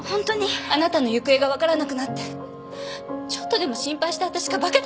あなたの行方が分からなくなってちょっとでも心配した私がバカだったわ。